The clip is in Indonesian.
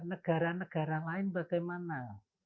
negara negara lain bagaimana